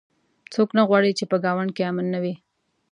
څوک نه غواړي چې په ګاونډ کې امن نه وي